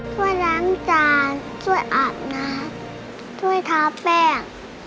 ช่วยล้างจานช่วยอาบน้ำช่วยทาแป้ง